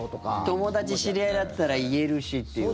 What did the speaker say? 友達、知り合いだったら言えるしっていうね。